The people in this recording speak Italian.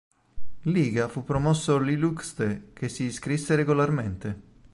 Līga fu promosso l'Ilūkste che si iscrisse regolarmente.